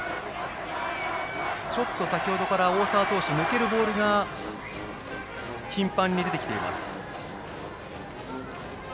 先程から大沢投手抜けるボールが頻繁に出てきています。